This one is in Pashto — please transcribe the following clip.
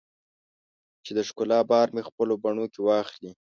چې د ښکلا بار مې خپلو بڼو کې واخلې